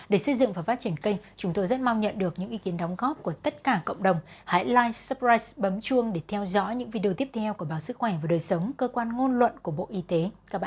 nếu không nhận được những ý kiến đóng góp của tất cả cộng đồng hãy like subscribe bấm chuông để theo dõi những video tiếp theo của báo sức khỏe và đời sống cơ quan ngôn luận của bộ y tế